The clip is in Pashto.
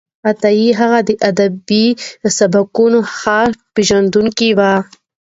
عطايي هغه د ادبي سبکونو ښه پېژندونکی و.